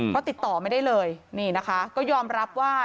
เพราะติดต่อไม่ได้เลยนี่นะคะก็ยอมรับว่า